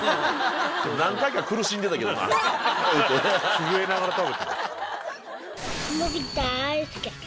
震えながら食べてる。